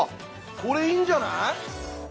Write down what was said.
これいいんじゃない？